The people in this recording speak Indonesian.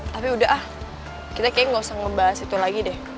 tapi udah ah kita kayaknya gak usah ngebahas itu lagi deh